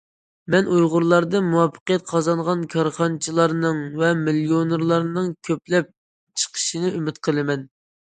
مەن ئۇيغۇرلاردىن مۇۋەپپەقىيەت قازانغان كارخانىچىلارنىڭ ۋە مىليونېرلارنىڭ كۆپلەپ چىقىشىنى ئۈمىد قىلىمەن.